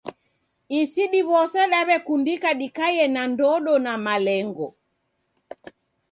Isi diw'ose daw'ekundika dikaiye na ndodo na malengo.